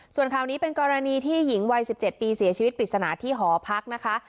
ส่วนข่าวนี้เป็นกรณีที่หญิงวัย๑๗ปีเสียชีวิตปริศนาที่หอพักนะคะ